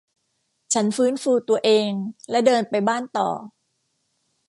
ฉันฟื้นฟูตัวเองและเดินไปบ้านต่อ